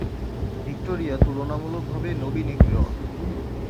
Victoria তুলনামূলকভাবে নবীন একটি হ্রদ।